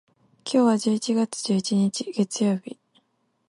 今日は十一月十一日、月曜日。